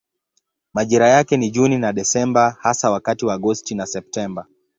Majira yake ni Juni na Desemba hasa wakati wa Agosti na Septemba.